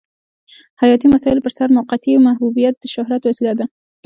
حیاتي مسایلو پرسر موقتي محبوبیت د شهرت وسیله ده.